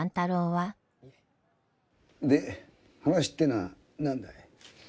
で話ってのは何だい？